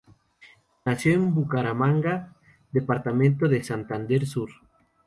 Nació en Bucaramanga, Departamento de Santander Sur.